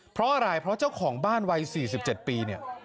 เพราะอะไรเพราะเจ้าของบ้านวัย๔๗ปีเนี่ย